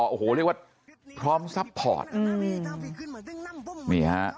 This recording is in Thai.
โอ้โหเรียกว่าพร้อมแซพพอร์ต